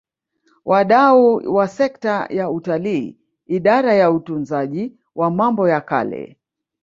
Wadau wa sekta ya utalii Idara ya Utunzaji wa Mambo ya Kale